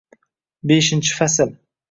Beshnnchi fasl